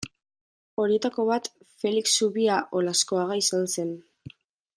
Horietako bat Felix Zubia Olaskoaga izan zen.